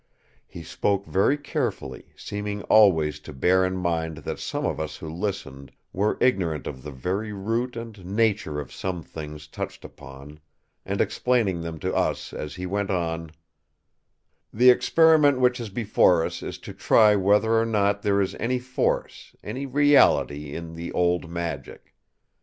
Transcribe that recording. He spoke very carefully, seeming always to bear in mind that some of us who listened were ignorant of the very root and nature of some things touched upon, and explaining them to us as he went on: "The experiment which is before us is to try whether or no there is any force, any reality, in the old Magic.